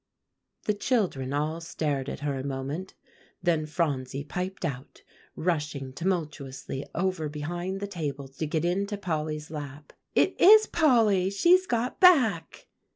The children all stared at her a moment; then Phronsie piped out, rushing tumultuously over behind the table to get into Polly's lap. "It is Polly. She's got back."